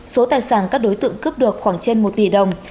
số tài sản các đối tượng cướp được khoảng trên một tỷ đồng